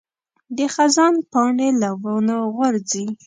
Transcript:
د خزان پاڼې له ونو غورځي.